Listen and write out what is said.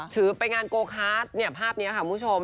ถือไปงานโกคาร์ดภาพนี้ค่ะคุณผู้ชม